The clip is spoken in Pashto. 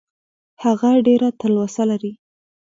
هغه ډېره تلوسه لري .